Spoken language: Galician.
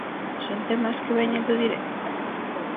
Son temas que veñen do directo?